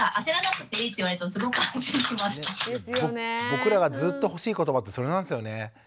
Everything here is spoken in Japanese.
僕らがずっと欲しい言葉ってそれなんですよね。